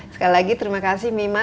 sekali lagi terima kasih mima